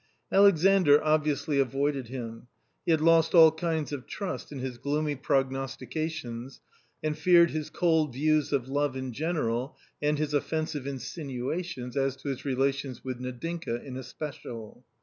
Alexandr obviously avoided him. He had lost all kind of trust in his gloomy prognostications, and feared his cold views of love in general and his offensive insinuations as to his relations with Nadinka in especial.